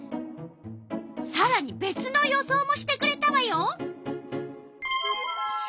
さらにべつの予想もしてくれたわよ。